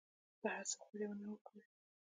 بهر سفر یې نه و کړی.